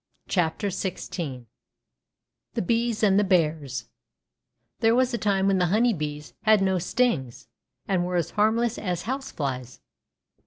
THE BEES AND THE BEARS THE BEES AND THE BEARS T here was a time when the honey bees had no stings and were as harmless as houseflies.